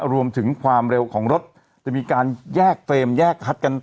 รวมถึงความเร็วของรถจะมีการแยกเฟรมแยกฮัดกัน